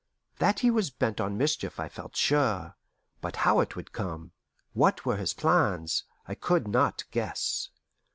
That he was bent on mischief I felt sure, but how it would come, what were his plans, I could not guess.